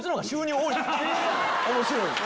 面白い。